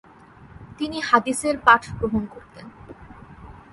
তিনি হাদিসের পাঠ গ্রহণ করতেন ।